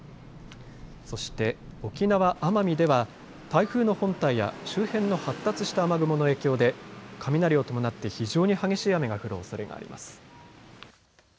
そして沖縄、奄美では台風の本体や周辺の発達した雨雲の影響で雷を伴って非常に激しい雨が降るおそれがあります。